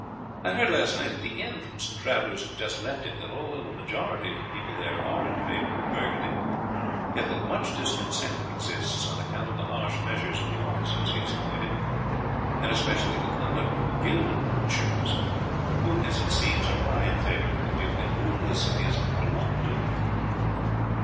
I heard last night at the inn from some travellers who had just left it, that although the majority of the people there are in favour of Burgundy, yet that much discontent exists on account of the harsh measures of the officers he has appointed, and especially of the conduct of the guild of butchers, who, as it seems, are high in favour with the duke, and rule the city as if it belonged to them."